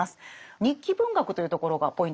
日記文学というところがポイントですね。